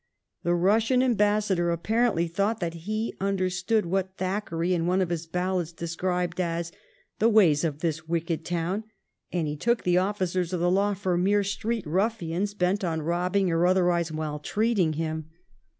The Eussian ambassador apparently thought that he understood what Thackeray in one of his ballads describes as ' the ways of this wicked town,' and he took the officers of the law for mere street ruffians bent on robbing or otherwise maltreating him.